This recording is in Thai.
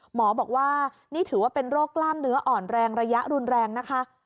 หมอบอกว่านี่ถือว่าเป็นโรคกล้ามเนื้ออ่อนแรงระยะรุนแรงนะคะ